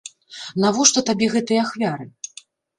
Навошта табе гэтыя ахвяры?